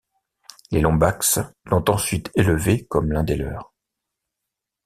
Les lombax l'ont ensuite élevé comme l'un des leurs.